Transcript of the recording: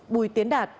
bùi tiến đạt